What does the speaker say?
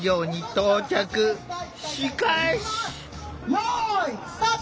「よいスタート！